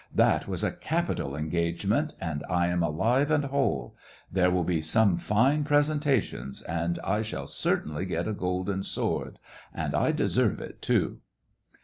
That was a capital engage ment, and I am alive and whole. There will be some fine presentations, and I shall certainly get a golden sword. And I deserve it too."